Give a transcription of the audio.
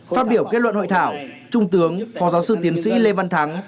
phát biểu kết luận hội thảo trung tướng phó giáo sư tiến sĩ lê văn thắng